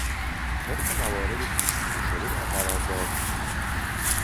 طبق مواد پیش بینی شده در قرارداد ...